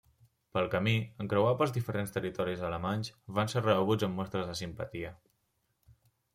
Pel camí, en creuar pels diferents territoris alemanys, van ser rebuts amb mostres de simpatia.